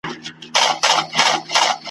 ځینی تور دي ځینی خړ ځینی سپېره دي ,